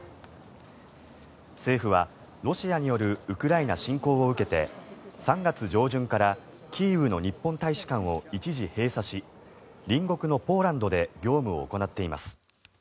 政府は、ロシアによるウクライナ侵攻を受けて３月上旬からキーウの日本大使館を一時閉鎖し隣国のポーランドで業務を行っています。